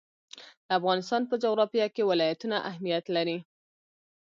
د افغانستان په جغرافیه کې ولایتونه اهمیت لري.